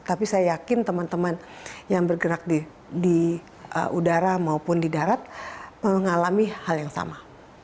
tapi saya yakin teman teman yang bergerak di udara maupun di darat mengalami hal yang sama